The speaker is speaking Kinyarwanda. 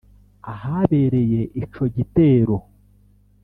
ahabereye ico gitero